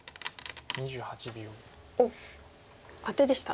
おっアテでした。